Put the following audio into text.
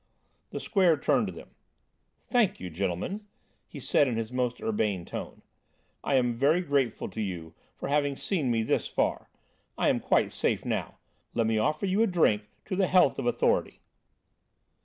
The Square turned to them: "Thank you, gentlemen," he said in his most urbane tone. "I am very grateful to you for having seen me this far. I am quite safe now. Let me offer you a drink to the health of authority!"